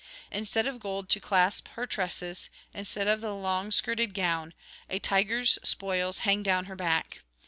Instead of gold to clasp her tresses, instead of the long skirted gown, a tiger's spoils hang down her back.